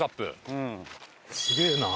すげえな。